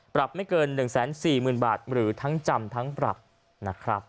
ปรับไม่เกิน๑๔๐๐๐บาทหรือทั้งจำทั้งปรับนะครับ